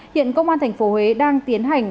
hiện công an tp huế đang tiến hành